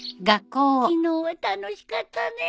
昨日は楽しかったね。